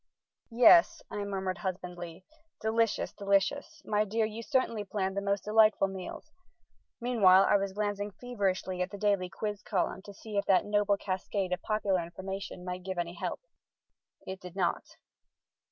"Yes," I murmured husbandly, "delicious, delicious! My dear, you certainly plan the most delightful meals." Meanwhile I was glancing feverishly at the daily Quiz column to see if that noble cascade of popular information might give any help. It did not.